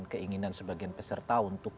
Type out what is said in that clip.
keinginan sebagian peserta untuk